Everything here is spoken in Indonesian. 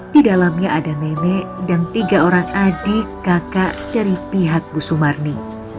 di dalamnya ada nenek dan tiga orang adik kakak dari pihak bu sumarni